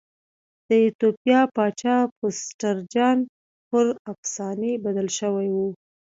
د ایتوپیا پاچا پرسټر جان پر افسانې بدل شوی و.